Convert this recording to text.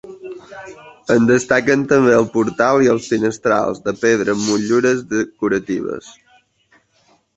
En destaquen també el portal i els finestrals, de pedra, amb motllures decoratives.